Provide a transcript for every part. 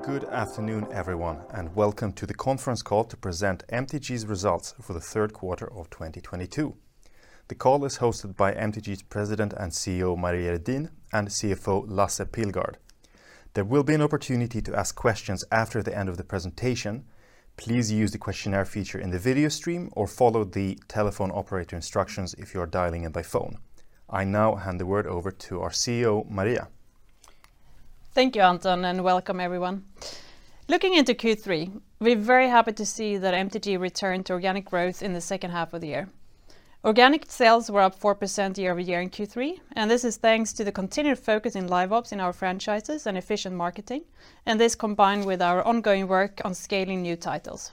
Good afternoon, everyone, and welcome to the conference call to present MTG's results for the third quarter of 2022. The call is hosted by MTG's President and CEO, Maria Redin, and CFO, Lasse Pilgaard. There will be an opportunity to ask questions after the end of the presentation. Please use the questionnaire feature in the video stream or follow the telephone operator instructions if you are dialing in by phone. I now hand the word over to our CEO, Maria. Thank you, Anton, and welcome everyone. Looking into Q3, we're very happy to see that MTG returned to organic growth in the second half of the year. Organic sales were up 4% year-over-year in Q3, and this is thanks to the continued focus in live ops in our franchises and efficient marketing, and this combined with our ongoing work on scaling new titles.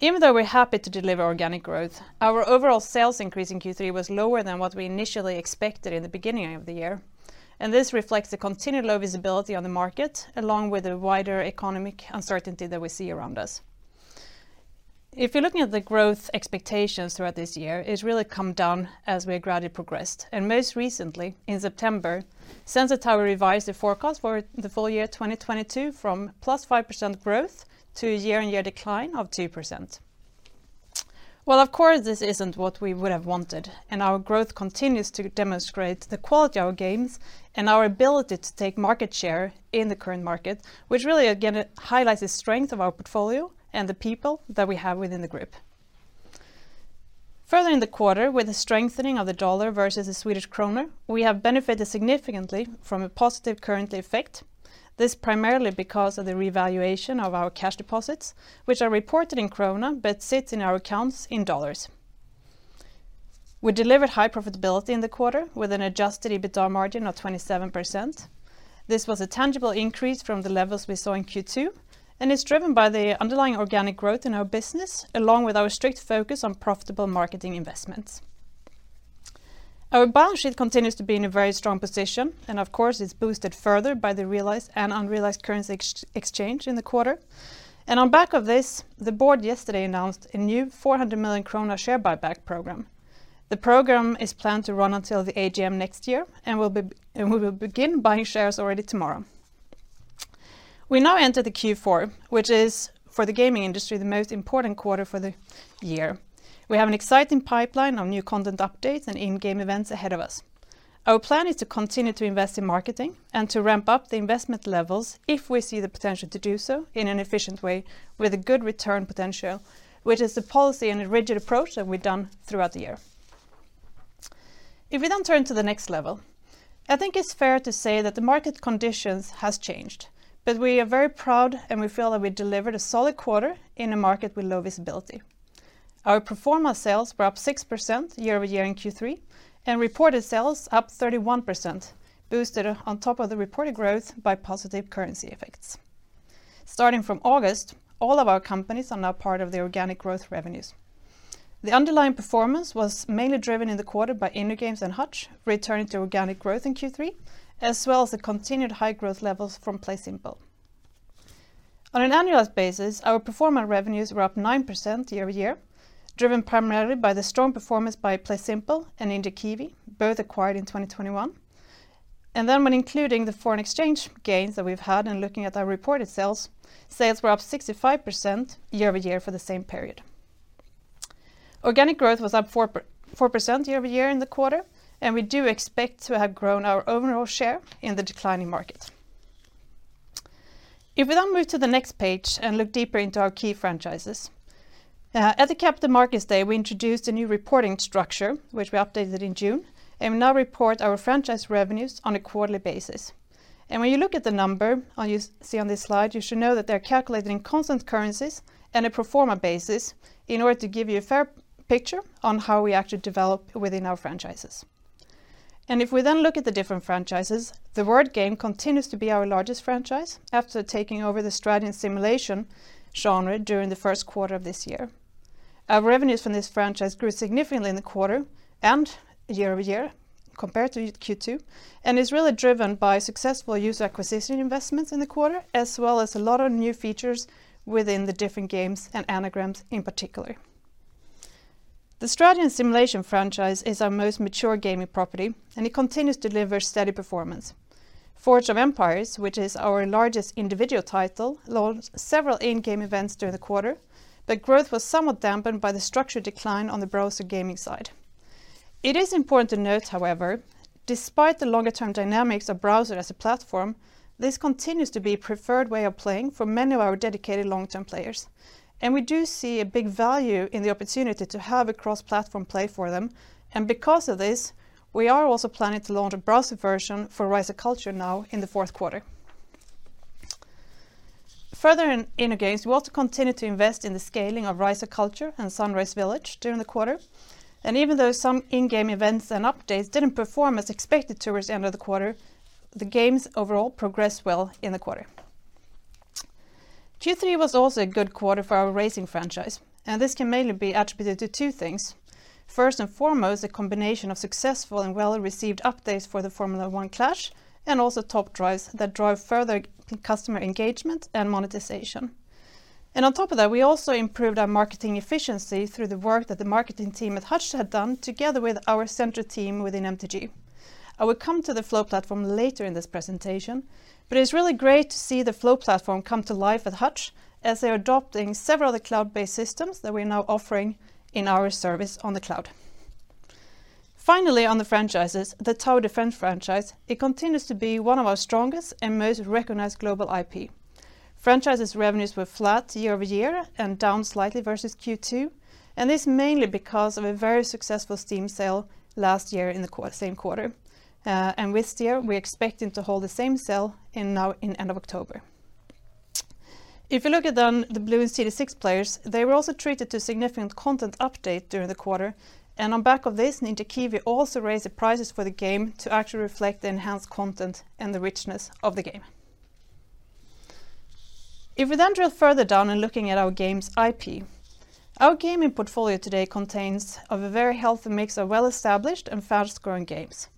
Even though we're happy to deliver organic growth, our overall sales increase in Q3 was lower than what we initially expected in the beginning of the year. This reflects the continued low visibility on the market, along with the wider economic uncertainty that we see around us. If you're looking at the growth expectations throughout this year, it's really come down as we gradually progressed. Most recently, in September, Sensor Tower revised the forecast for the full year 2022 from +5% growth to a year-on-year decline of 2%. While, of course, this isn't what we would have wanted, and our growth continues to demonstrate the quality of our games and our ability to take market share in the current market, which really again highlights the strength of our portfolio and the people that we have within the group. Further in the quarter, with the strengthening of the dollar versus the Swedish Krona, we have benefited significantly from a positive currency effect. This primarily because of the revaluation of our cash deposits, which are reported in krona but sit in our accounts in dollars. We delivered high profitability in the quarter with an adjusted EBITDA margin of 27%. This was a tangible increase from the levels we saw in Q2 ,and is driven by the underlying organic growth in our business, along with our strict focus on profitable marketing investments. Our balance sheet continues to be in a very strong position, and of course, it's boosted further by the realized and unrealized currency exchange in the quarter. On the back of this, the board yesterday announced a new 400 million krona share buyback program. The program is planned to run until the AGM next year, and we will begin buying shares already tomorrow. We now enter the Q4, which is, for the gaming industry, the most important quarter for the year. We have an exciting pipeline of new content updates and in-game events ahead of us. Our plan is to continue to invest in marketing and to ramp up the investment levels if we see the potential to do so in an efficient way with a good return potential, which is the policy and the rigid approach that we've done throughout the year. If we then turn to the next level, I think it's fair to say that the market conditions has changed, but we are very proud and we feel that we delivered a solid quarter in a market with low visibility. Our pro forma sales were up 6% year-over-year in Q3, and reported sales up 31%, boosted on top of the reported growth by positive currency effects. Starting from August, all of our companies are now part of the organic growth revenues. The underlying performance was mainly driven in the quarter by InnoGames and Hutch returning to organic growth in Q3, as well as the continued high growth levels from PlaySimple. On an annualized basis, our pro forma revenues were up 9% year-over-year, driven primarily by the strong performance by PlaySimple and Ninja Kiwi, both acquired in 2021. When including the foreign exchange gains that we've had and looking at our reported sales were up 65% year-over-year for the same period. Organic growth was up 4% year-over-year in the quarter, and we do expect to have grown our overall share in the declining market. If we then move to the next page and look deeper into our key franchises. At the Capital Markets Day, we introduced a new reporting structure which we updated in June, and will now report our franchise revenues on a quarterly basis. When you look at the number you see on this slide, you should know that they're calculated in constant currencies, and a pro forma basis in order to give you a fair picture on how we actually develop within our franchises. If we then look at the different franchises, the word game continues to be our largest franchise after taking over the strategy and simulation genre during the first quarter of this year. Our revenues from this franchise grew significantly in the quarter and year-over-year compared to Q2, and is really driven by successful user acquisition investments in the quarter as well as a lot of new features within the different games and anagrams in particular. The strategy and simulation franchise is our most mature gaming property, and it continues to deliver steady performance. Forge of Empires, which is our largest individual title, launched several in-game events during the quarter, but growth was somewhat dampened by the structured decline on the browser gaming side. It is important to note, however, despite the longer-term dynamics of browser as a platform, this continues to be a preferred way of playing for many of our dedicated long-term players. We do see a big value in the opportunity to have a cross-platform play for them. Because of this, we are also planning to launch a browser version for Rise of Cultures now in the fourth quarter. Further in InnoGames, we also continued to invest in the scaling of Rise of Cultures and Sunrise Village during the quarter. Even though some in-game events and updates didn't perform as expected toward the end of the quarter, the games overall progressed well in the quarter. Q3 was also a good quarter for our racing franchise, and this can mainly be attributed to two things. First and foremost, a combination of successful and well-received updates for the Formula One Clash, and also Top Drives that drive further customer engagement and monetization. On top of that, we also improved our marketing efficiency through the work that the marketing team at Hutch had done together with our central team within MTG. I will come to the Flow Platform later in this presentation, but it's really great to see the Flow Platform come to life at Hutch as they're adopting several of the cloud-based systems that we're now offering in our service on the cloud. Finally, on the franchises, the Tower Defense franchise, it continues to be one of our strongest and most recognized global IP. Franchise's revenues were flat year-over-year and down slightly versus Q2, and this mainly because of a very successful Steam sale last year in the same quarter. This year we're expecting to hold the same sale in end of October. If you look at the Bloons TD 6 players, they were also treated to significant content update during the quarter, and on back of this, Ninja Kiwi also raised the prices for the game to actually reflect the enhanced content and the richness of the game. If we then drill further down in looking at our games IP, our gaming portfolio today contains of a very healthy mix of well-established and fast-growing games.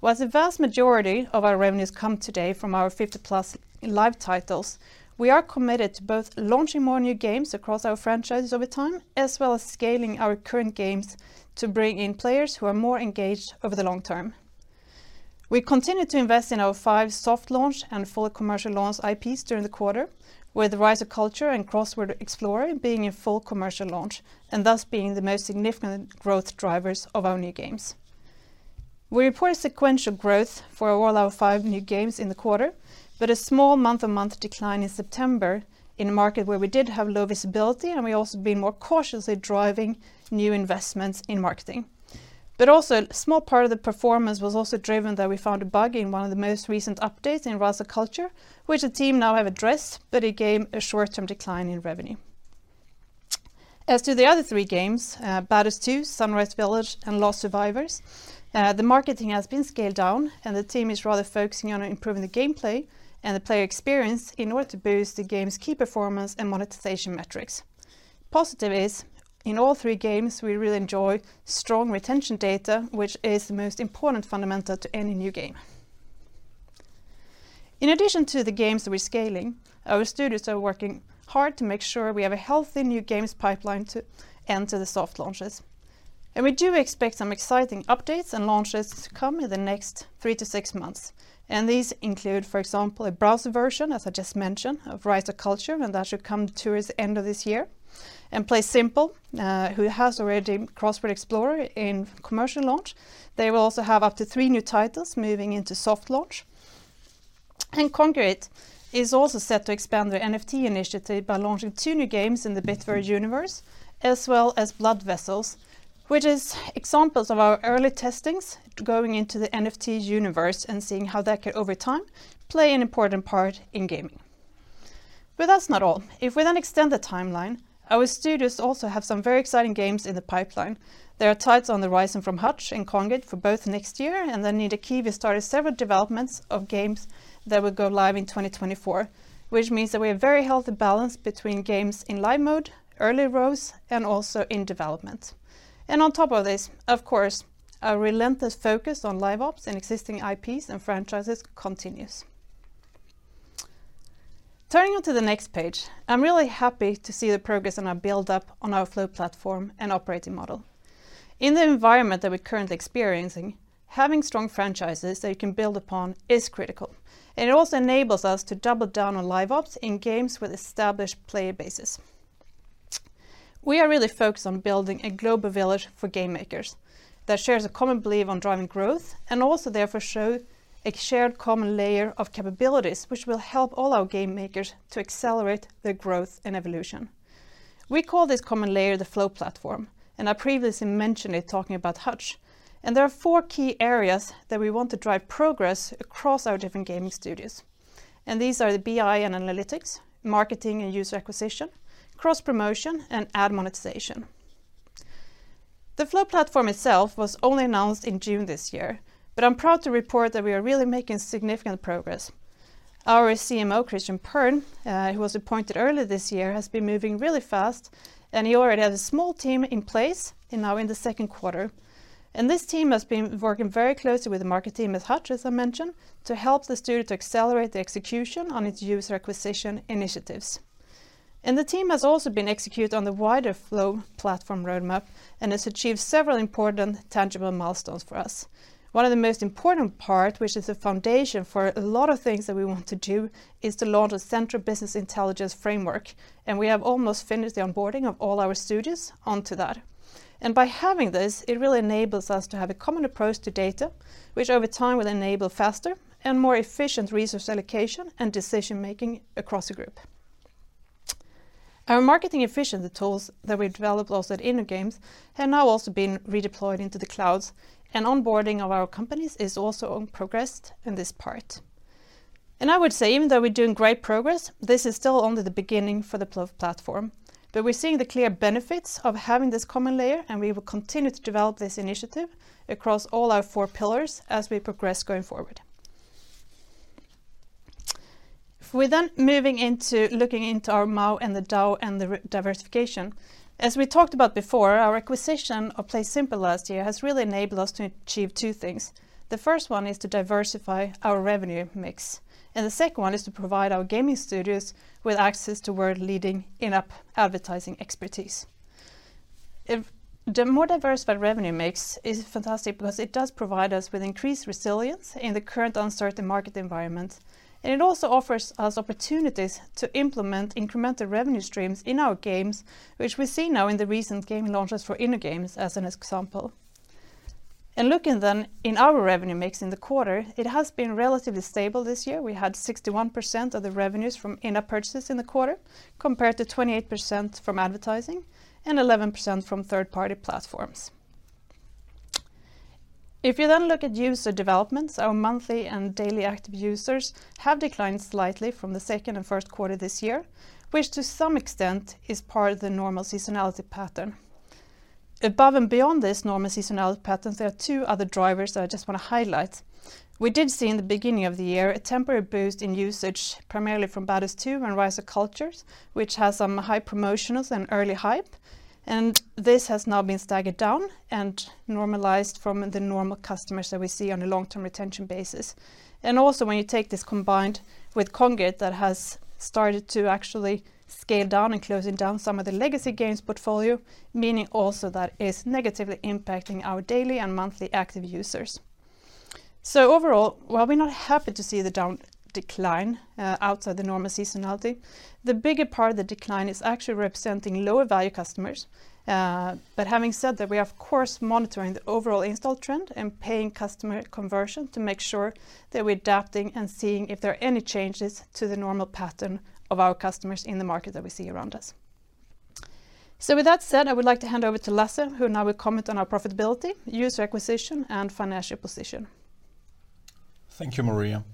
While the vast majority of our revenues come today from our 50+ live titles, we are committed to both launching more new games across our franchises over time, as well as scaling our current games to bring in players who are more engaged over the long term. We continue to invest in our five soft launch and full commercial launch IPs during the quarter, with Rise of Cultures and Crossword Explorer being in full commercial launch, and thus being the most significant growth drivers of our new games. We report sequential growth for all our five new games in the quarter, but a small month-on-month decline in September in a market where we did have low visibility, and we also been more cautiously driving new investments in marketing. Also, a small part of the performance was also driven that we found a bug in one of the most recent updates in Rise of Cultures, which the team now have addressed, but it gave a short-term decline in revenue. As to the other three games, Baddest 2, Sunrise Village, and Lost Survivors, the marketing has been scaled down, and the team is rather focusing on improving the gameplay and the player experience in order to boost the game's key performance and monetization metrics. Positive is, in all three games, we really enjoy strong retention data, which is the most important fundamental to any new game. In addition to the games that we're scaling, our studios are working hard to make sure we have a healthy new games pipeline to enter the soft launches. We do expect some exciting updates and launches to come in the next 3-6 months, and these include, for example, a browser version, as I just mentioned, of Rise of Cultures, and that should come towards the end of this year. PlaySimple, who has already Crossword Explorer in commercial launch, they will also have up to three new titles moving into soft launch. Kongregate is also set to expand their NFT initiative by launching two new games in the Bitverse universe, as well as Blood Vessels, which is examples of our early testings going into the NFT universe and seeing how that could, over time, play an important part in gaming. That's not all. If we then extend the timeline, our studios also have some very exciting games in the pipeline. There are titles on the horizon from Hutch and Kongregate for both next year, and then Ninja Kiwi started several developments of games that will go live in 2024, which means that we have very healthy balance between games in live mode, early access, and also in development. On top of this, of course, our relentless focus on live ops and existing IPs and franchises continues. Turning to the next page, I'm really happy to see the progress on our build-up on our Flow Platform and operating model. In the environment that we're currently experiencing, having strong franchises that you can build upon is critical, and it also enables us to double down on live ops in games with established player bases. We are really focused on building a global village for game makers that shares a common belief on driving growth, and also therefore show a shared common layer of capabilities which will help all our game makers to accelerate their growth and evolution. We call this common layer the Flow Platform, and I previously mentioned it talking about Hutch, and there are four key areas that we want to drive progress across our different gaming studios, and these are the BI and analytics, marketing and user acquisition, cross-promotion, and ad monetization. The Flow Platform itself was only announced in June this year, but I'm proud to report that we are really making significant progress. Our CMO, Christian Pern, who was appointed earlier this year, has been moving really fast, and he already has a small team in place now in the second quarter. This team has been working very closely with the market team at Hutch, as I mentioned, to help the studio to accelerate the execution on its user acquisition initiatives. The team has also been executing on the wider Flow Platform roadmap, and has achieved several important tangible milestones for us. One of the most important part, which is the foundation for a lot of things that we want to do, is to launch a central business intelligence framework, and we have almost finished the onboarding of all our studios onto that. By having this, it really enables us to have a common approach to data, which over time will enable faster and more efficient resource allocation and decision-making across the group. Our marketing efficiency tools that we developed also at InnoGames have now also been redeployed into the cloud, and onboarding of our companies is also in progress in this part. I would say even though we're doing great progress, this is still only the beginning for the Flow Platform. We're seeing the clear benefits of having this common layer, and we will continue to develop this initiative across all our four pillars as we progress going forward. If we're then moving into looking into our MAU and the DAU, and revenue diversification, as we talked about before, our acquisition of PlaySimple last year has really enabled us to achieve two things. The first one is to diversify our revenue mix, and the second one is to provide our gaming studios with access to world-leading in-app advertising expertise. If the more diversified revenue mix is fantastic because it does provide us with increased resilience in the current uncertain market environment. It also offers us opportunities to implement incremental revenue streams in our games, which we see now in the recent game launches for InnoGames as an example. In looking then in our revenue mix in the quarter, it has been relatively stable this year. We had 61% of the revenues from in-app purchases in the quarter, compared to 28% from advertising and 11% from third-party platforms. If you then look at user developments, our monthly and daily active users have declined slightly from the second and first quarter this year, which to some extent is part of the normal seasonality pattern. Above and beyond this normal seasonality patterns, there are two other drivers that I just want to highlight. We did see in the beginning of the year a temporary boost in usage, primarily from Baddest 2 and Rise of Cultures, which has some high promotions and early hype. This has now been staggered down and normalized from the normal customers that we see on a long-term retention basis. When you take this combined with Kongregate that has started to actually scale down and closing down some of the legacy games portfolio, meaning also that is negatively impacting our daily and monthly active users. Overall, while we're not happy to see the decline outside the normal seasonality, the bigger part of the decline is actually representing lower value customers. But having said that, we are of course monitoring the overall install trend, and paying customer conversion to make sure that we're adapting and seeing if there are any changes to the normal pattern of our customers in the market that we see around us. With that said, I would like to hand over to Lasse, who now will comment on our profitability, user acquisition, and financial position. Thank you, Maria.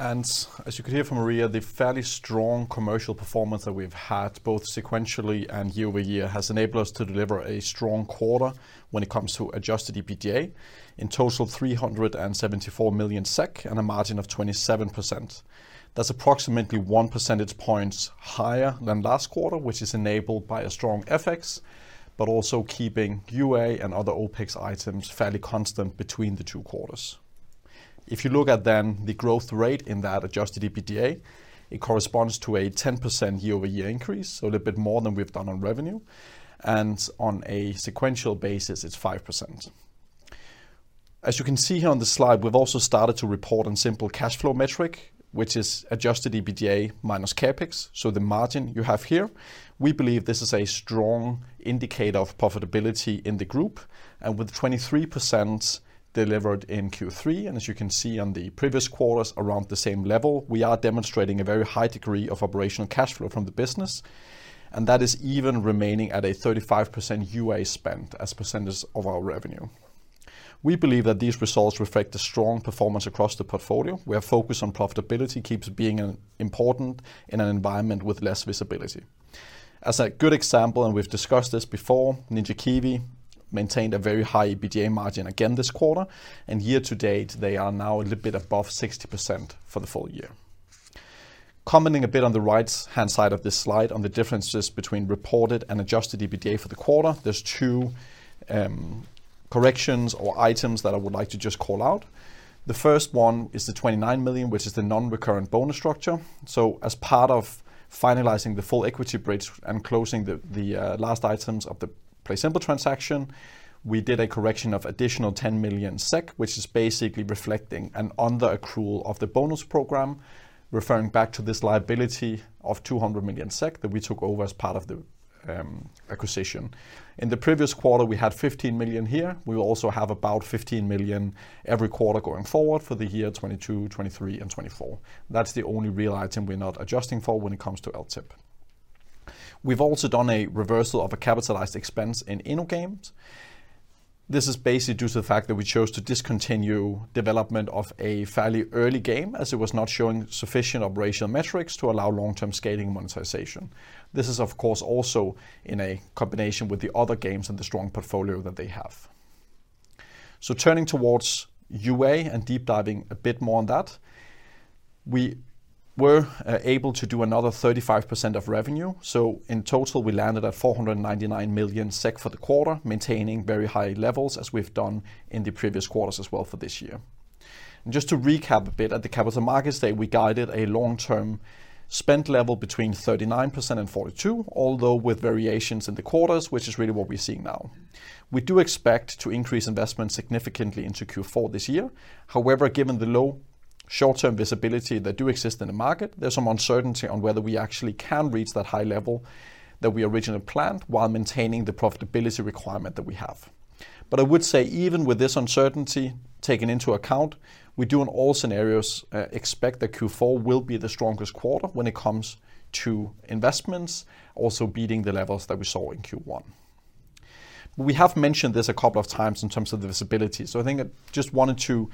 As you could hear from Maria, the fairly strong commercial performance that we've had both sequentially and year-over-year has enabled us to deliver a strong quarter when it comes to adjusted EBITDA. In total, 374 million SEK and a margin of 27%. That's approximately one percentage points higher than last quarter, which is enabled by a strong FX, but also keeping UA and other OpEx items fairly constant between the two quarters. If you look at then the growth rate in that adjusted EBITDA, it corresponds to a 10% year-over-year increase, so a little bit more than we've done on revenue. On a sequential basis, it's 5%. As you can see here on the slide, we've also started to report on simple cash flow metric, which is adjusted EBITDA minus CapEx, so the margin you have here. We believe this is a strong indicator of profitability in the group. With 23% delivered in Q3, and as you can see on the previous quarters around the same level, we are demonstrating a very high degree of operational cash flow from the business, and that is even remaining at a 35% UA spend as percentage of our revenue. We believe that these results reflect the strong performance across the portfolio, where focus on profitability keeps being important in an environment with less visibility. As a good example, and we've discussed this before, Ninja Kiwi maintained a very high EBITDA margin again this quarter, and year-to-date, they are now a little bit above 60% for the full year. Commenting a bit on the right-hand side of this slide on the differences between reported and adjusted EBITDA for the quarter, there's two corrections or items that I would like to just call out. The first one is the 29 million, which is the non-recurrent bonus structure. As part of finalizing the full equity bridge and closing the last items of the PlaySimple transaction, we did a correction of additional 10 million SEK, which is basically reflecting an under-accrual of the bonus program, referring back to this liability of 200 million SEK that we took over as part of the acquisition. In the previous quarter, we had 15 million here. We will also have about 15 million every quarter going forward for the year 2022, 2023, and 2024. That's the only real item we're not adjusting for when it comes to LTIP. We've also done a reversal of a capitalized expense in InnoGames. This is basically due to the fact that we chose to discontinue development of a fairly early game, as it was not showing sufficient operational metrics to allow long-term scaling and monetization. This is of course also in a combination with the other games and the strong portfolio that they have. Turning towards UA and deep diving a bit more on that, we were able to do another 35% of revenue. In total, we landed at 499 million SEK for the quarter, maintaining very high levels as we've done in the previous quarters as well for this year. Just to recap a bit at the Capital Markets Day, we guided a long-term spend level between 39% and 42%, although with variations in the quarters, which is really what we're seeing now. We do expect to increase investment significantly into Q4 this year. However, given the low short-term visibility that do exist in the market, there's some uncertainty on whether we actually can reach that high level that we originally planned while maintaining the profitability requirement that we have. I would say even with this uncertainty taken into account, we do in all scenarios expect that Q4 will be the strongest quarter when it comes to investments, also beating the levels that we saw in Q1. We have mentioned this a couple of times in terms of the visibility, so I think I just wanted to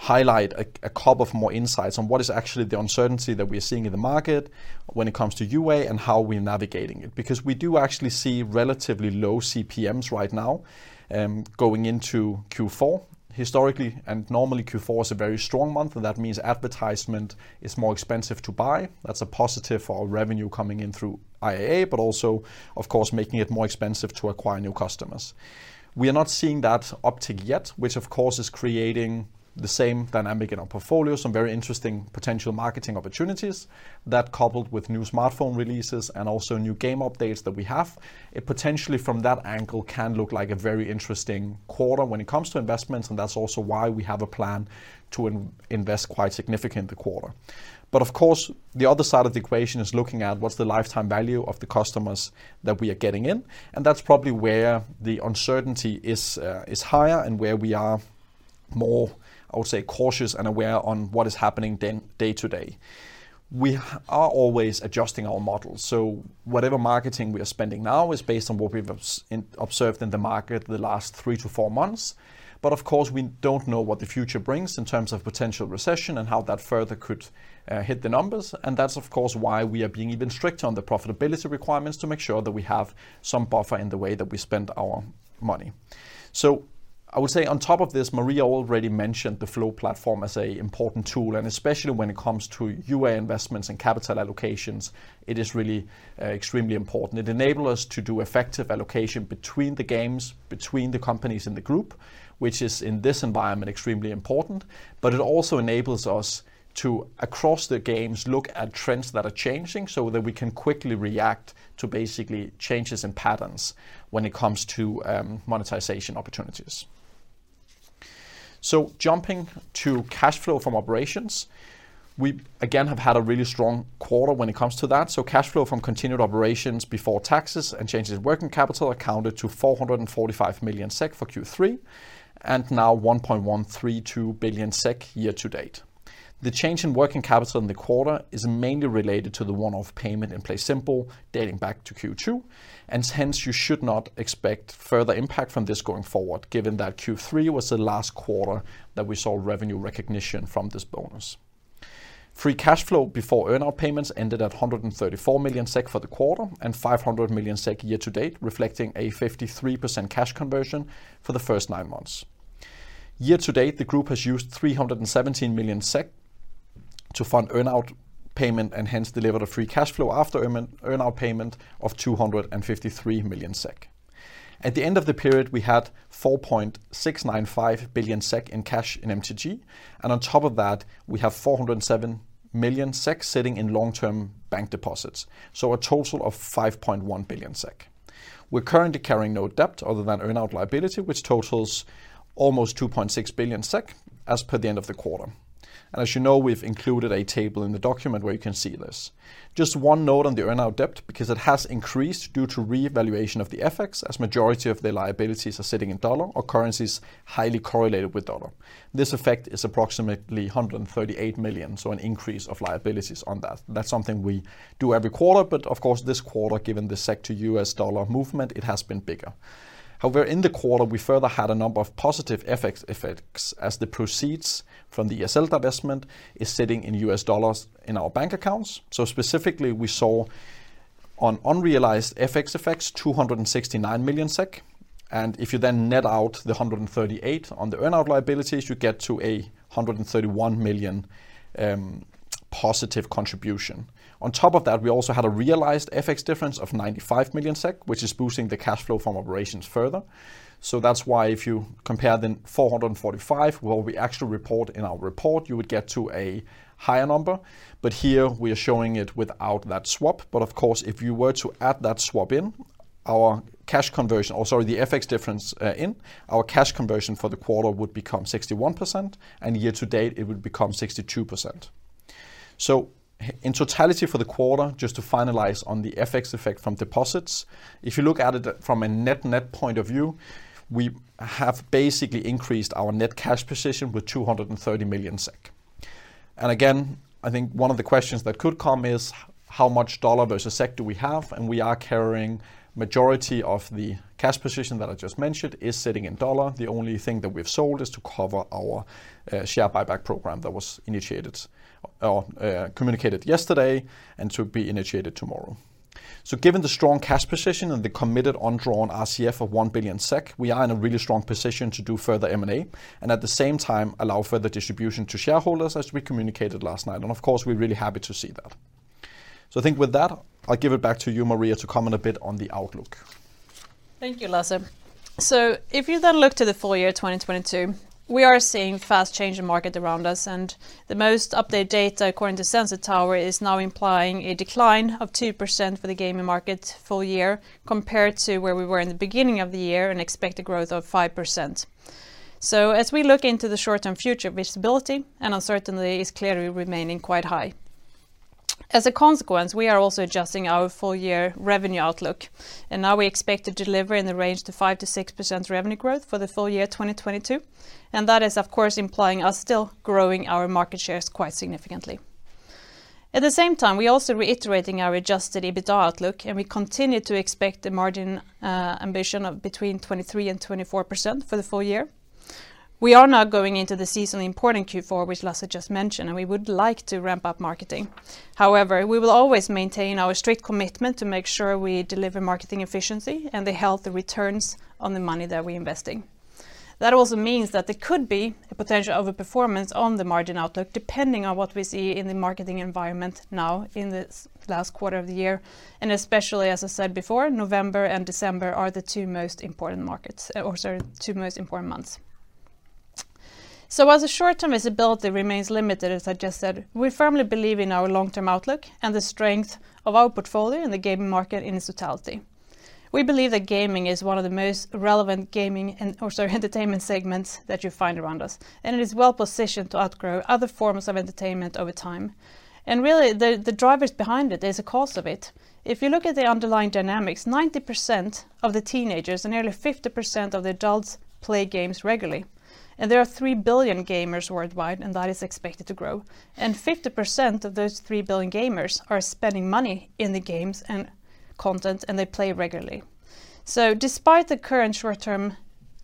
highlight a couple of more insights on what is actually the uncertainty that we're seeing in the market when it comes to UA and how we're navigating it. Because we do actually see relatively low CPMs right now, going into Q4. Historically and normally, Q4 is a very strong month, and that means advertisement is more expensive to buy. That's a positive for our revenue coming in through IAA, but also of course making it more expensive to acquire new customers. We are not seeing that uptick yet, which of course is creating the same dynamic in our portfolio, some very interesting potential marketing opportunities that coupled with new smartphone releases and also new game updates that we have, it potentially from that angle can look like a very interesting quarter when it comes to investments, and that's also why we have a plan to invest quite significantly this quarter. Of course, the other side of the equation is looking at what's the lifetime value of the customers that we are getting in, and that's probably where the uncertainty is higher and where we are more, I would say, cautious and aware on what is happening than day-to-day. We are always adjusting our models, so whatever marketing we are spending now is based on what we've observed in the market the last 3-4 months, but of course, we don't know what the future brings in terms of potential recession and how that further could hit the numbers, and that's of course why we are being even strict on the profitability requirements to make sure that we have some buffer in the way that we spend our money. I would say on top of this, Maria already mentioned the Flow Platform as an important tool, and especially when it comes to UA investments and capital allocations, it is really extremely important. It enable us to do effective allocation between the games, between the companies in the group, which is in this environment extremely important, but it also enables us to, across the games, look at trends that are changing so that we can quickly react to basically changes in patterns when it comes to monetization opportunities. Jumping to cash flow from operations, we again have had a really strong quarter when it comes to that. Cash flow from continued operations before taxes and changes in working capital amounted to 445 million SEK for Q3, and now 1.132 billion SEK year-to-date. The change in working capital in the quarter is mainly related to the one-off payment in PlaySimple dating back to Q2, and hence you should not expect further impact from this going forward, given that Q3 was the last quarter that we saw revenue recognition from this bonus. Free cash flow before earn-out payments ended at 134 million SEK for the quarter and 500 million SEK year-to-date, reflecting a 53% cash conversion for the first nine months. Year-to-date, the group has used 317 million SEK to fund earn-out payment, and hence delivered a free cash flow after earn-out payment of 253 million SEK. At the end of the period, we had 4.695 billion SEK in cash in MTG, and on top of that, we have 407 million SEK sitting in long-term bank deposits, so a total of 5.1 billion SEK. We're currently carrying no debt other than earn-out liability, which totals almost 2.6 billion SEK as per the end of the quarter. As you know, we've included a table in the document where you can see this. Just one note on the earn-out debt, because it has increased due to revaluation of the FX, as majority of the liabilities are sitting in US dollar or currencies highly correlated with US dollar. This effect is approximately 138 million, so an increase of liabilities on that. That's something we do every quarter, but of course this quarter, given the SEK to US dollar movement, it has been bigger. However, in the quarter, we further had a number of positive FX effects as the proceeds from the ESL divestment is sitting in US dollars in our bank accounts. Specifically we saw on unrealized FX effects 269 million SEK, and if you then net out the 138 on the earn-out liabilities, you get to 131 million positive contribution. On top of that, we also had a realized FX difference of 95 million SEK, which is boosting the cash flow from operations further. That's why if you compare the 445 where we actually report in our report, you would get to a higher number. Here we are showing it without that swap. Of course, if you were to add that swap in, our cash conversion, the FX difference in our cash conversion for the quarter would become 61%, and year-to-date it would become 62%. In totality for the quarter, just to finalize on the FX effect from deposits, if you look at it from a net-net point of view, we have basically increased our net cash position with 230 million SEK. I think one of the questions that could come is how much US dollar versus SEK do we have? We are carrying majority of the cash position that I just mentioned is sitting in US dollar. The only thing that we've sold is to cover our share buyback program that was communicated yesterday and to be initiated tomorrow. Given the strong cash position and the committed undrawn RCF of 1 billion SEK, we are in a really strong position to do further M&A, and at the same time allow further distribution to shareholders as we communicated last night and of course we're really happy to see that. I think with that, I'll give it back to you, Maria, to comment a bit on the outlook. Thank you, Lasse. If you then look to the full year 2022, we are seeing fast change in market around us and the most updated data according to Sensor Tower is now implying a decline of 2% for the gaming market full year compared to where we were in the beginning of the year, an expected growth of 5%. As we look into the short-term future, visibility and uncertainty is clearly remaining quite high. As a consequence, we are also adjusting our full year revenue outlook, and now we expect to deliver in the range to 5%-6% revenue growth for the full year 2022, and that is of course implying us still growing our market shares quite significantly. At the same time, we're also reiterating our adjusted EBITDA outlook, and we continue to expect the margin ambition of between 23% and 24% for the full year. We are now going into the seasonally important Q4, which Lasse just mentioned, and we would like to ramp up marketing. However, we will always maintain our strict commitment to make sure we deliver marketing efficiency and the healthy returns on the money that we invest in. That also means that there could be a potential overperformance on the margin outlook, depending on what we see in the marketing environment now in this last quarter of the year, and especially, as I said before, November and December are the two most important markets, or sorry, two most important months. While the short-term visibility remains limited, as I just said, we firmly believe in our long-term outlook and the strength of our portfolio in the gaming market in its totality. We believe that gaming is one of the most relevant entertainment segments that you find around us, and it is well-positioned to outgrow other forms of entertainment over time. Really the drivers behind it is a cause of it. If you look at the underlying dynamics, 90% of the teenagers and nearly 50% of the adults play games regularly, and there are 3 billion gamers worldwide, and that is expected to grow, and 50% of those 3 billion gamers are spending money in the games and content, and they play regularly. Despite the current short-term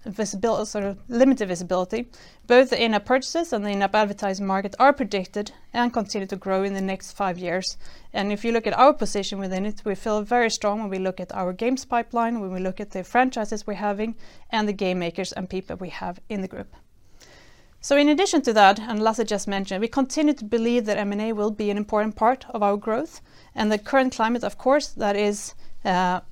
visibility, sort of limited visibility, both the in-app purchases and the in-app advertising markets are predicted and continue to grow in the next five years. If you look at our position within it, we feel very strong when we look at our games pipeline, when we look at the franchises we're having, and the game makers and people we have in the group. In addition to that, and Lasse just mentioned, we continue to believe that M&A will be an important part of our growth. The current climate, of course, that is,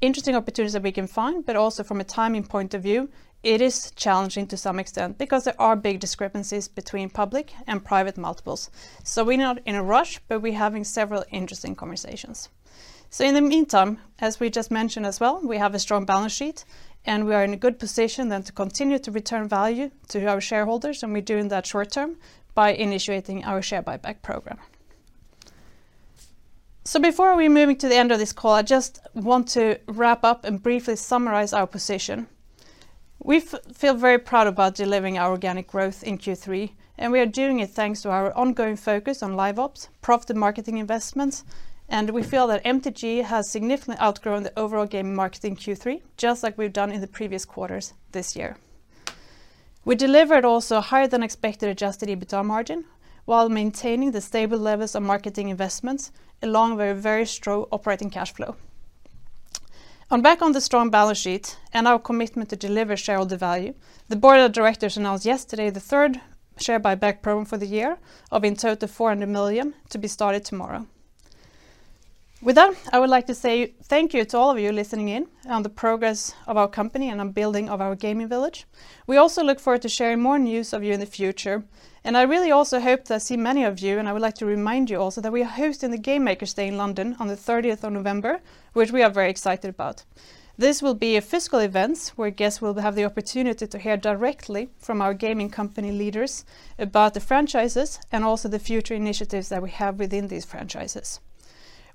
interesting opportunities that we can find, but also from a timing point of view, it is challenging to some extent because there are big discrepancies between public and private multiples. We're not in a rush, but we're having several interesting conversations. In the meantime, as we just mentioned as well, we have a strong balance sheet, and we are in a good position then to continue to return value to our shareholders, and we're doing that short-term by initiating our share buyback program. Before we move to the end of this call, I just want to wrap up and briefly summarize our position. We feel very proud about delivering our organic growth in Q3, and we are doing it thanks to our ongoing focus on live ops, profitable marketing investments. We feel that MTG has significantly outgrown the overall gaming market in Q3, just like we've done in the previous quarters this year. We delivered also higher than expected adjusted EBITDA margin while maintaining the stable levels of marketing investments along with a very strong operating cash flow. On the back of the strong balance sheet and our commitment to deliver shareholder value, the board of directors announced yesterday the third share buyback program for the year, in total 400 million, to be started tomorrow. With that, I would like to say thank you to all of you listening in on the progress of our company and on building of our gaming village. We also look forward to sharing more news with you in the future. I really also hope to see many of you, and I would like to remind you also that we are hosting the Game Makers Day in London on the 30th of November, which we are very excited about. This will be a physical event where guests will have the opportunity to hear directly from our gaming company leaders about the franchises, and also the future initiatives that we have within these franchises.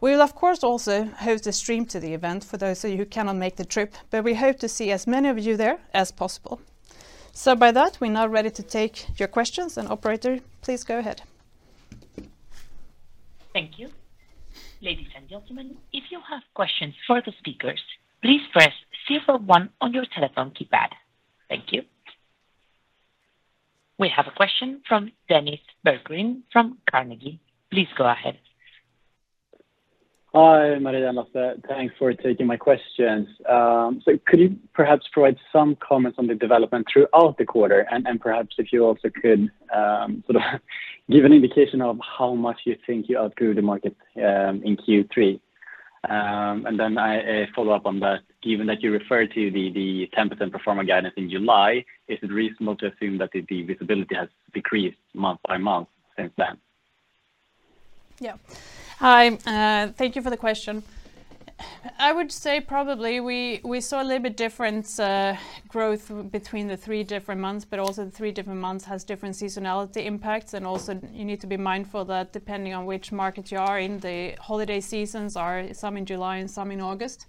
We will, of course, also host a stream to the event for those of you who cannot make the trip, but we hope to see as many of you there as possible. By that, we're now ready to take your questions. Operator, please go ahead. Thank you. Ladies and gentlemen, if you have questions for the speakers, please press zero one on your telephone keypad. Thank you. We have a question from Dennis Berggren from Carnegie. Please go ahead. Hi, Maria and Lasse. Thanks for taking my questions. Could you perhaps provide some comments on the development throughout the quarter? Perhaps if you also could sort of give an indication of how much you think you outgrew the market in Q3? I follow up on that. Given that you referred to the 10% performer guidance in July, is it reasonable to assume that the visibility has decreased month by month since then? Hi, thank you for the question. I would say probably we saw a little bit different growth between the three different months, but also the three different months has different seasonality impacts. You need to be mindful that depending on which market you are in, the holiday seasons are some in July and some in August.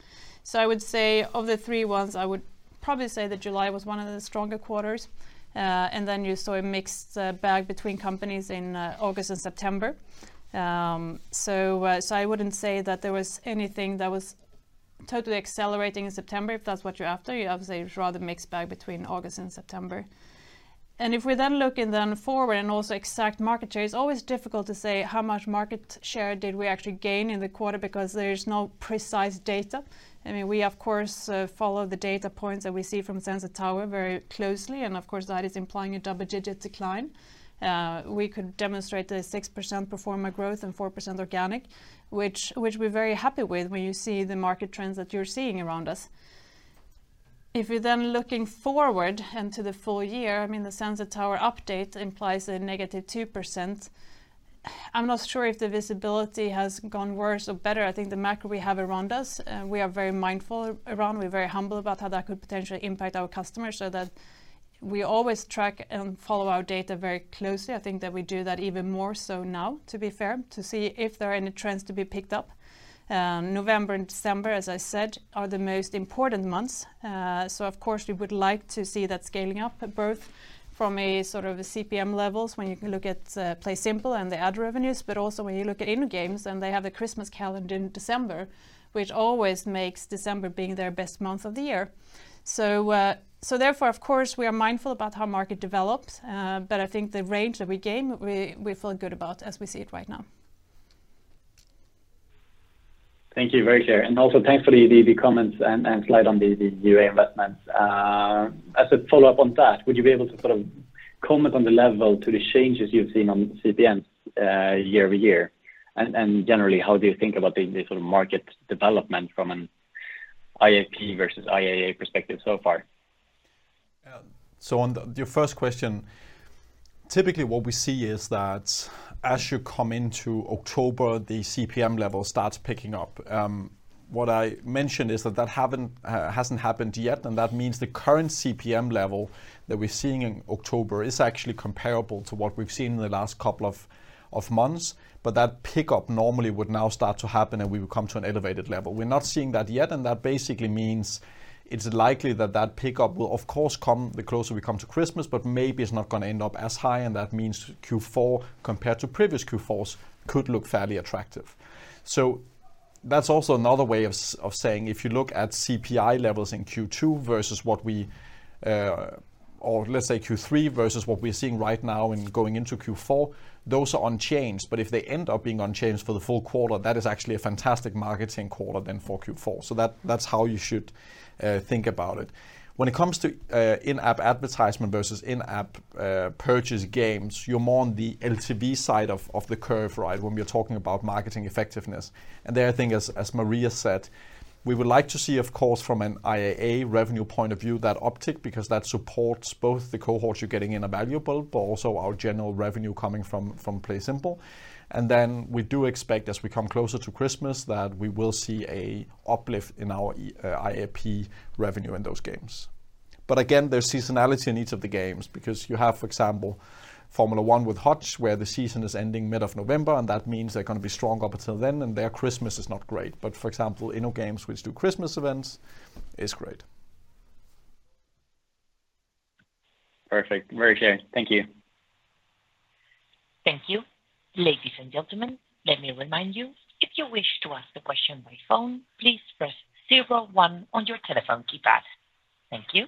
I would say of the three ones, I would probably say that July was one of the stronger quarters. Then you saw a mixed bag between companies in August and September. I wouldn't say that there was anything that was totally accelerating in September, if that's what you're after. You obviously saw the mixed bag between August and September. If we then look then forward and also exact market share, it's always difficult to say how much market share did we actually gain in the quarter because there is no precise data. I mean, we, of course, follow the data points that we see from Sensor Tower very closely, and of course that is implying a double-digit decline. We could demonstrate a 6% performer growth and 4% organic, which we're very happy with when you see the market trends that you're seeing around us. If you're then looking forward into the full year, I mean, the Sensor Tower update implies a -2%. I'm not sure if the visibility has gone worse or better. I think the macro we have around us, we are very mindful around, we're very humble about how that could potentially impact our customers so that we always track and follow our data very closely. I think that we do that even more so now, to be fair, to see if there are any trends to be picked up. November and December, as I said, are the most important months. Of course, we would like to see that scaling up both from a sort of a CPM levels when you look at PlaySimple and the ad revenues, but also when you look at in-games, and they have the Christmas calendar in December, which always makes December being their best month of the year. Therefore, of course, we are mindful about how market develops, but I think the range that we gain, we feel good about as we see it right now. Thank you. Very clear. Also thanks for the comments and slide on the UA investments. As a follow-up on that, would you be able to sort of comment on the level to the changes you've seen on CPM year over year? Generally, how do you think about the sort of market development from an IAP versus IAA perspective so far? On your first question, typically what we see is that as you come into October, the CPM level starts picking up. What I mentioned is that hasn't happened yet, and that means the current CPM level that we're seeing in October is actually comparable to what we've seen in the last couple of months. That pickup normally would now start to happen, and we would come to an elevated level. We're not seeing that yet, and that basically means it's likely that that pickup will of course come the closer we come to Christmas, but maybe it's not gonna end up as high, and that means Q4, compared to previous Q4s, could look fairly attractive. That's also another way of saying if you look at CPI levels in Q2 versus what we, or let's say Q3 versus what we're seeing right now in going into Q4, those are unchanged. If they end up being unchanged for the full quarter, that is actually a fantastic marketing quarter then for Q4. That's how you should think about it. When it comes to in-app advertisement versus in-app purchase games, you're more on the LTV side of the curve, right? When we are talking about marketing effectiveness. There, I think as Maria said, we would like to see, of course, from an IAA revenue point of view, that uptick because that supports both the cohorts you're getting in are valuable, but also our general revenue coming from PlaySimple. We do expect as we come closer to Christmas that we will see an uplift in our IAP revenue in those games. But again, there's seasonality in each of the games because you have, for example, Formula One with Hutch, where the season is ending mid-November, and that means they're gonna be strong up until then, and their Christmas is not great. But for example, InnoGames, which does Christmas events, is great. Perfect. Very clear. Thank you. Thank you. Ladies and gentlemen, let me remind you, if you wish to ask a question by phone, please press zero one on your telephone keypad. Thank you.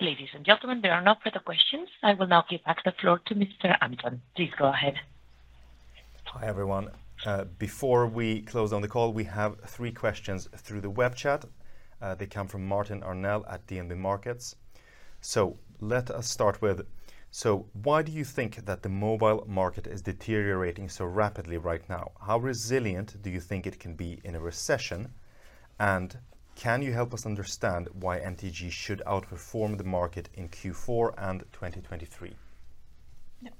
Ladies and gentlemen, there are no further questions. I will now give back the floor to Mr. Anton. Please go ahead. Hi, everyone. Before we close on the call, we have three questions through the web chat. They come from Martin Arnell at DNB Markets. Why do you think that the mobile market is deteriorating so rapidly right now? How resilient do you think it can be in a recession? Can you help us understand why MTG should outperform the market in Q4 2023? Yeah.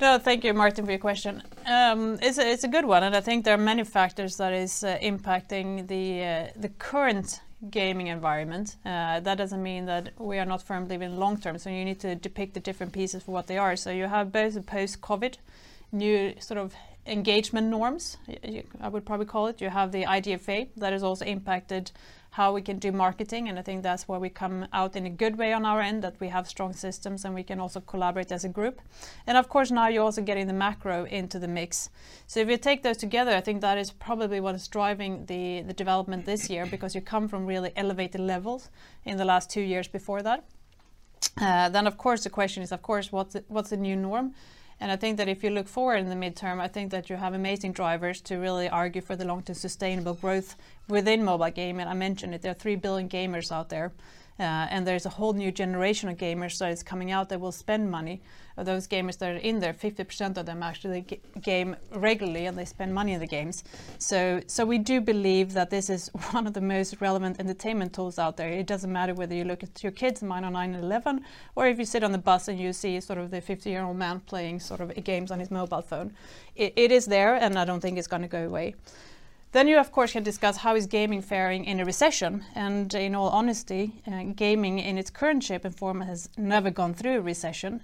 No, thank you, Martin, for your question. It's a good one, and I think there are many factors that is impacting the current gaming environment. That doesn't mean that we are not firmly believe in long term. You need to dissect the different pieces for what they are. You have both the post-COVID, new sort of engagement norms. I would probably call it. You have the IDFA that has also impacted how we can do marketing, and I think that's why we come out in a good way on our end, that we have strong systems and we can also collaborate as a group. Of course, now you're also getting the macro into the mix. If you take those together, I think that is probably what is driving the development this year, because you come from really elevated levels in the last two years before that. Then, of course, the question is, of course, what's the new norm? I think that if you look forward in the midterm, I think that you have amazing drivers to really argue for the long-term sustainable growth within mobile gaming. I mentioned it, there are 3 billion gamers out there, and there's a whole new generation of gamers that is coming out that will spend money. Of those gamers that are in there, 50% of them actually game regularly, and they spend money on the games. We do believe that this is one of the most relevant entertainment tools out there. It doesn't matter whether you look at your kids, mine are nine and 11, or if you sit on the bus, and you see sort of the 50-year-old man playing sort of games on his mobile phone. It is there, and I don't think it's gonna go away. You, of course, can discuss how is gaming faring in a recession. In all honesty, gaming in its current shape and form has never gone through a recession.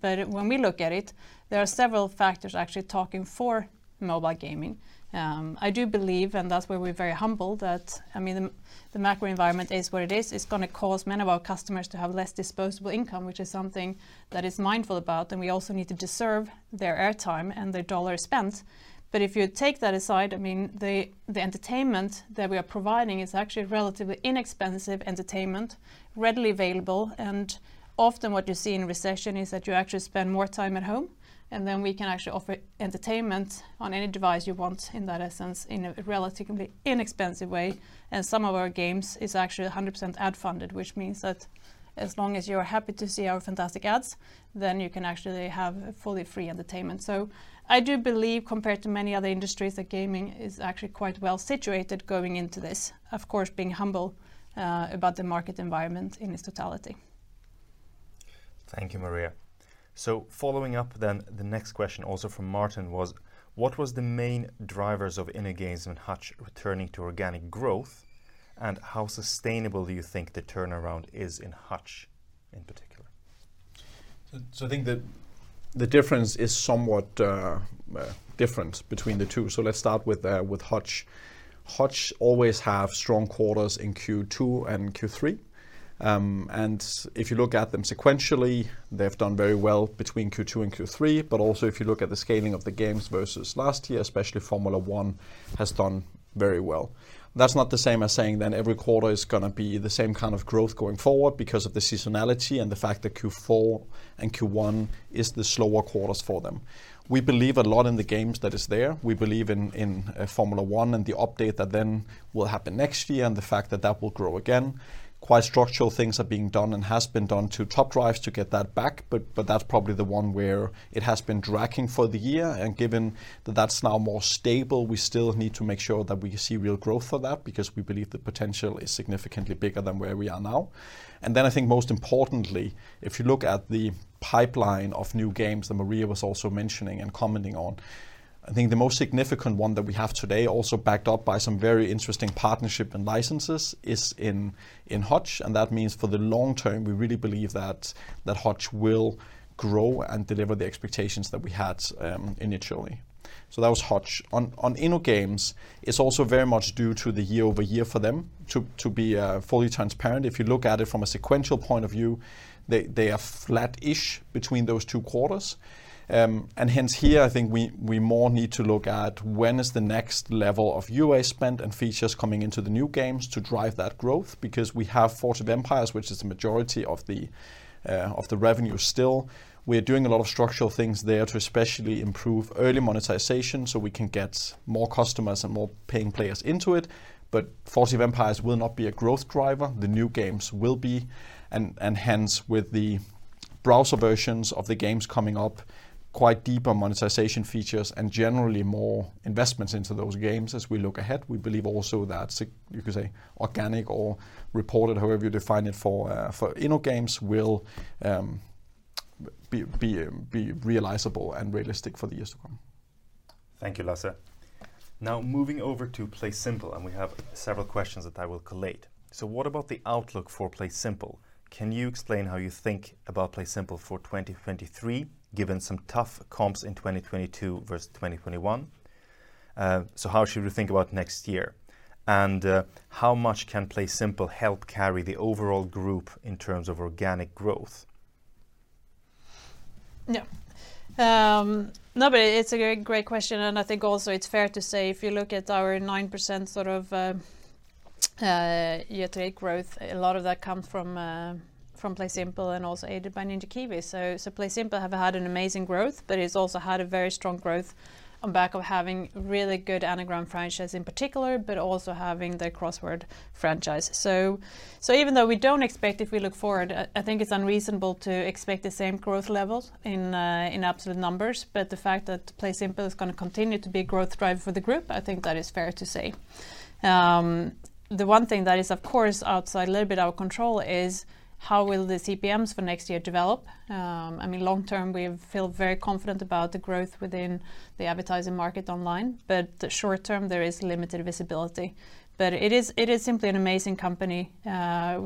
When we look at it, there are several factors actually talking for mobile gaming. I do believe, and that's where we're very humble, that I mean, the macro environment is what it is. It's gonna cause many of our customers to have less disposable income, which is something that we're mindful about, and we also need to deserve their air time and their dollar spent. If you take that aside, I mean, the entertainment that we are providing is actually relatively inexpensive entertainment, readily available. Often what you see in recession is that you actually spend more time at home, and then we can actually offer entertainment on any device you want in that sense in a relatively inexpensive way. Some of our games is actually 100% ad funded, which means that as long as you're happy to see our fantastic ads, then you can actually have fully free entertainment. I do believe compared to many other industries, that gaming is actually quite well situated going into this, of course, being humble about the market environment in its totality. Thank you, Maria. Following up then, the next question, also from Martin, was what was the main drivers of InnoGames and Hutch returning to organic growth, and how sustainable do you think the turnaround is in Hutch in particular? I think the difference is somewhat different between the two. Let's start with Hutch. Hutch always have strong quarters in Q2 and Q3. If you look at them sequentially, they've done very well between Q2 and Q3. Also, if you look at the scaling of the games versus last year, especially Formula One has done very well. That's not the same as saying then every quarter is gonna be the same kind of growth going forward because of the seasonality, and the fact that Q4 and Q1 is the slower quarters for them. We believe a lot in the games that is there. We believe in Formula One and the update that then will happen next year, and the fact that that will grow again. Quite structural things are being done and has been done to Top Drives to get that back, but that's probably the one where it has been dragging for the year. Given that that's now more stable, we still need to make sure that we see real growth for that because we believe the potential is significantly bigger than where we are now. I think most importantly, if you look at the pipeline of new games that Maria was also mentioning and commenting on, I think the most significant one that we have today, also backed up by some very interesting partnership and licenses, is in Hutch. That means for the long term, we really believe that Hutch will grow and deliver the expectations that we had initially. That was Hutch. On InnoGames, it's also very much due to the year-over-year for them to be fully transparent. If you look at it from a sequential point of view, they are flat-ish between those two quarters. Hence here, I think we more need to look at when is the next level of UA spend and features coming into the new games to drive that growth because we have Forge of Empires, which is the majority of the revenue still. We're doing a lot of structural things there to especially improve early monetization, so we can get more customers and more paying players into it. Forge of Empires will not be a growth driver. The new games will be. Hence with the browser versions of the games coming up quite deep on monetization features, and generally more investments into those games as we look ahead. We believe also that you could say organic or reported, however you define it, for InnoGames will be realizable and realistic for the years to come. Thank you, Lasse. Now, moving over to PlaySimple, and we have several questions that I will collate. What about the outlook for PlaySimple? Can you explain how you think about PlaySimple for 2023, given some tough comps in 2022 versus 2021? How should we think about next year? How much can PlaySimple help carry the overall group in terms of organic growth? No, it's a great question, and I think also it's fair to say if you look at our 9% sort of year-to-date growth, a lot of that comes from PlaySimple and also aided by Ninja Kiwi. PlaySimple have had an amazing growth, but it's also had a very strong growth on back of having really good Anagram franchise in particular, but also having the Crossword franchise. Even though we don't expect if we look forward, I think it's unreasonable to expect the same growth levels in absolute numbers. The fact that PlaySimple is gonna continue to be a growth driver for the group, I think that is fair to say. The one thing that is, of course, outside a little bit our control is how will the CPMs for next year develop. I mean, long term, we feel very confident about the growth within the advertising market online. The short term, there is limited visibility. It is simply an amazing company. We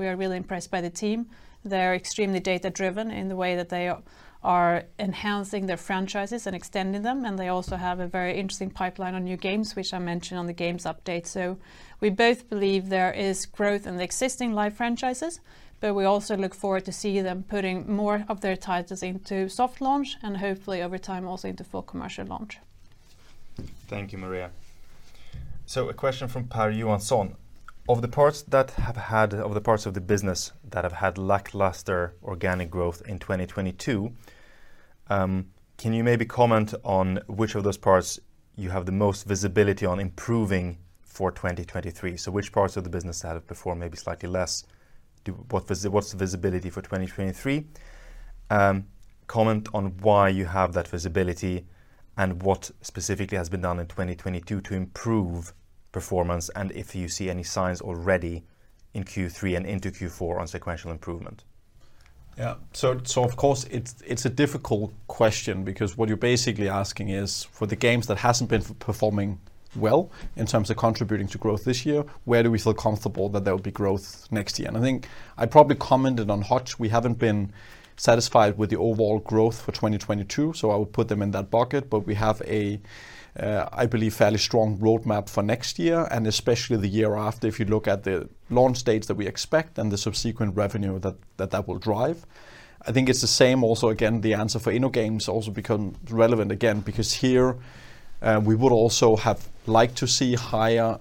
are really impressed by the team. They're extremely data-driven in the way that they are enhancing their franchises and extending them, and they also have a very interesting pipeline on new games, which I mentioned on the games update. We both believe there is growth in the existing live franchises, but we also look forward to see them putting more of their titles into soft launch and hopefully over time also into full commercial launch. Thank you, Maria. A question from Per Johansson. Of the parts of the business that have had lackluster organic growth in 2022, can you maybe comment on which of those parts you have the most visibility on improving for 2023? Which parts of the business that have performed maybe slightly less, what's the visibility for 2023? Comment on why you have that visibility, and what specifically has been done in 2022 to improve performance, and if you see any signs already in Q3 and into Q4 on sequential improvement? Yeah. Of course, it's a difficult question because what you're basically asking is, for the games that hasn't been performing well in terms of contributing to growth this year, where do we feel comfortable that there will be growth next year? I think I probably commented on Hutch. We haven't been satisfied with the overall growth for 2022, so I would put them in that bucket. We have a, I believe, fairly strong roadmap for next year and especially the year after if you look at the launch dates that we expect and the subsequent revenue that will drive. I think it's the same also, again, the answer for InnoGames also become relevant again because here, we would also have liked to see higher,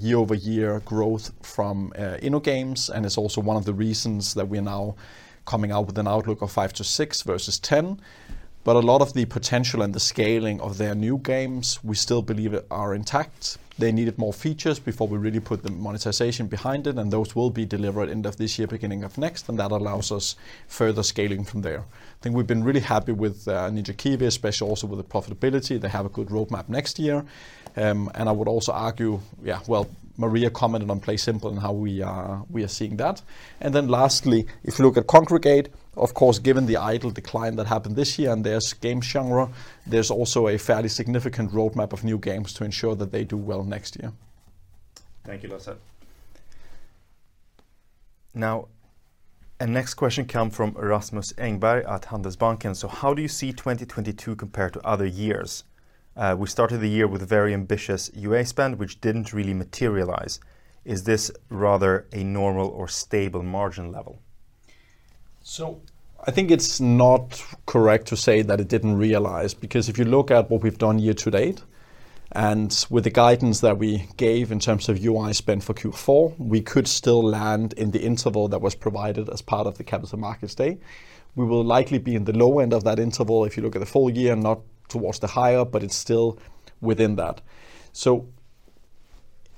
year-over-year growth from InnoGames, and it's also one of the reasons that we're now coming out with an outlook of 5%-6% versus 10%. A lot of the potential and the scaling of their new games, we still believe are intact. They needed more features before we really put the monetization behind it, and those will be delivered end of this year, beginning of next, and that allows us further scaling from there. I think we've been really happy with Ninja Kiwi, especially also with the profitability. They have a good roadmap next year. I would also argue, well, Maria commented on PlaySimple and how we are seeing that. If you look at Kongregate, of course, given the idle decline that happened this year and their game genre, there's also a fairly significant roadmap of new games to ensure that they do well next year. Thank you, Lasse. Now, the next question comes from Rasmus Engberg at Handelsbanken. How do you see 2022 compare to other years? We started the year with very ambitious UA spend, which didn't really materialize. Is this rather a normal or stable margin level? I think it's not correct to say that it didn't realize, because if you look at what we've done year-to-date, and with the guidance that we gave in terms of UA spend for Q4, we could still land in the interval that was provided as part of the Capital Markets Day. We will likely be in the low end of that interval if you look at the full year, not towards the higher, but it's still within that.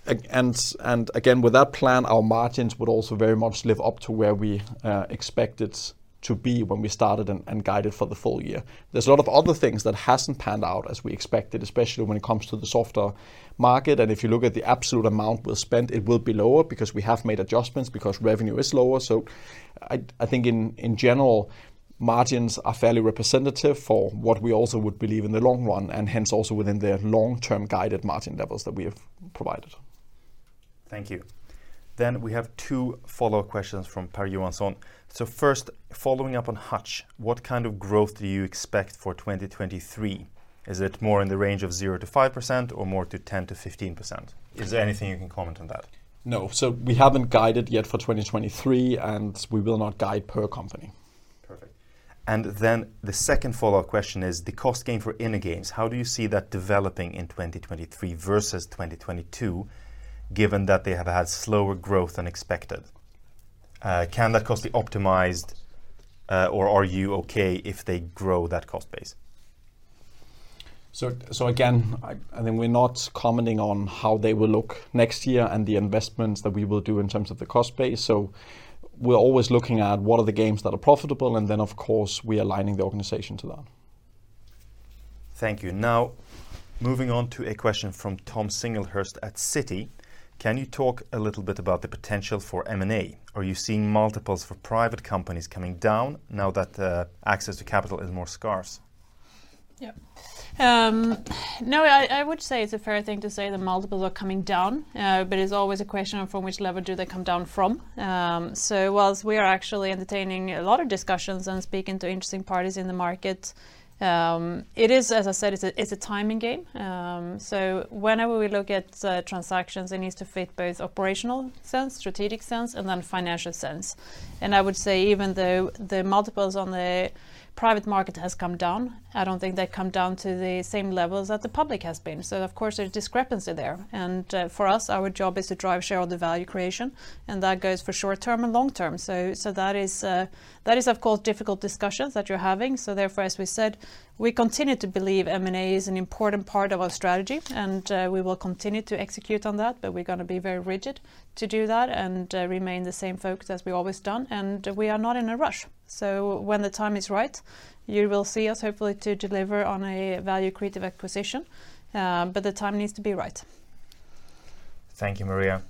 Again, with that plan, our margins would also very much live up to where we expect it to be when we started and guided for the full year. There's a lot of other things that hasn't panned out as we expected, especially when it comes to the softer market. If you look at the absolute amount we spent, it will be lower because we have made adjustments because revenue is lower. I think in general, margins are fairly representative for what we also would believe in the long run, and hence also within the long-term guided margin levels that we have provided. Thank you. We have two follow-up questions from Per Johansson. First, following up on Hutch, what kind of growth do you expect for 2023? Is it more in the range of 0%-5% or more to 10%-15%? Is there anything you can comment on that? No. We haven't guided yet for 2023, and we will not guide per company. Perfect. The second follow-up question is the cost gain for InnoGames, how do you see that developing in 2023 versus 2022, given that they have had slower growth than expected? Can that cost be optimized, or are you okay if they grow that cost base? Again, I think we're not commenting on how they will look next year, and the investments that we will do in terms of the cost base. We're always looking at what are the games that are profitable, and then of course we're aligning the organization to that. Thank you. Now moving on to a question from Thomas Singlehurst at Citi. Can you talk a little bit about the potential for M&A? Are you seeing multiples for private companies coming down now that the access to capital is more scarce? Yeah. No, I would say it's a fair thing to say the multiples are coming down. It's always a question of from which level do they come down from. While we are actually entertaining a lot of discussions and speaking to interesting parties in the market, it is, as I said, it's a timing game. Whenever we look at transactions it needs to fit both operational sense, strategic sense, and then financial sense. I would say even though the multiples on the private market has come down, I don't think they come down to the same levels that the public has been. Of course there's discrepancy there. For us, our job is to drive shareholder value creation, and that goes for short-term and long-term. That is, of course, difficult discussions that you're having. Therefore, as we said, we continue to believe M&A is an important part of our strategy, and we will continue to execute on that, but we're gonna be very rigid to do that and remain the same focus as we always done. We are not in a rush. When the time is right, you will see us hopefully to deliver on a value-creating acquisition, but the time needs to be right. Thank you, Maria.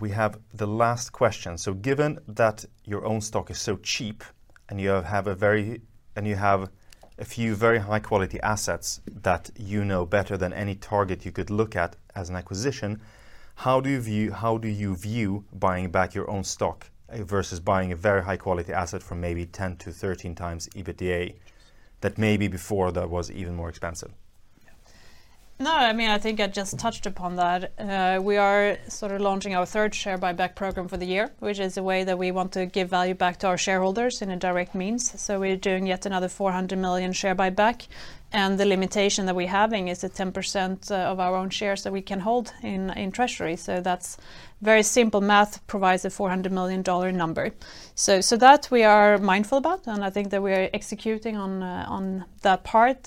We have the last question. Given that your own stock is so cheap, and you have a few very high quality assets that you know better than any target you could look at as an acquisition, how do you view buying back your own stock versus buying a very high quality asset from maybe 10-13x EBITDA that maybe before that was even more expensive? No, I mean, I think I just touched upon that. We are sort of launching our third share buyback program for the year, which is a way that we want to give value back to our shareholders in a direct means. We're doing yet another 400 million share buyback, and the limitation that we're having is that 10% of our own shares that we can hold in treasury. That's very simple math, provides a $400 million number. That we are mindful about, and I think that we're executing on that part.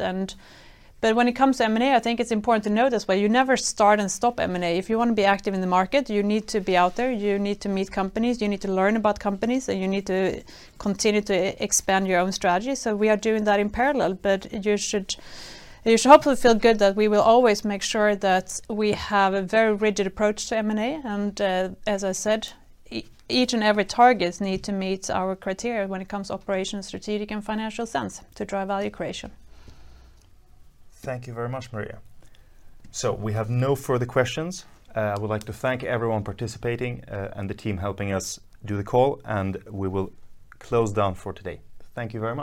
When it comes to M&A, I think it's important to know this, but you never start and stop M&A. If you wanna be active in the market, you need to be out there, you need to meet companies, you need to learn about companies, and you need to continue to expand your own strategy. We are doing that in parallel, but you should hopefully feel good that we will always make sure that we have a very rigid approach to M&A. As I said, each and every targets need to meet our criteria when it comes to operational, strategic, and financial sense to drive value creation. Thank you very much, Maria. We have no further questions. I would like to thank everyone participating, and the team helping us do the call, and we will close down for today. Thank you very much.